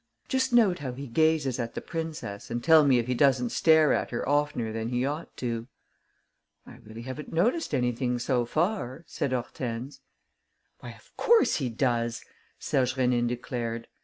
"Just note how he gazes at the princess and tell me if he doesn't stare at her oftener than he ought to." "I really haven't noticed anything, so far," said Hortense. "Why, of course he does!" Serge Rénine declared.